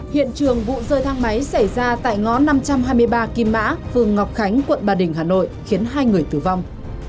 hiện trường vụ rơi thang máy xảy ra tại ngõ năm trăm hai mươi ba kim mã phường ngọc khánh quận ba đình hà nội khiến hai người tử vong